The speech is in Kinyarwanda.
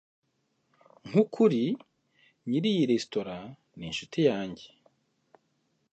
nkukuri, nyiri iyi resitora ni inshuti yanjye